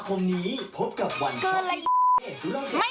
กินให้ดูเลยค่ะว่ามันปลอดภัย